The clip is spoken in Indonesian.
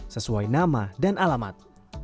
sesuai nama dan alamat